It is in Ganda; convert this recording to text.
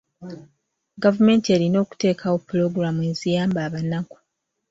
Gavumenti erina okuteekawo pulogulaamu eziyamba abannaku.